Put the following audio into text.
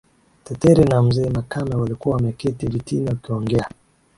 Tetere na mzee makame walikuwa wameketi vitini wakiongea